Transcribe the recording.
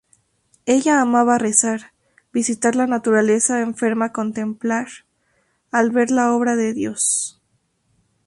Ella amaba rezar, visitar la naturaleza enferma contemplar, al ver la obra de Dios.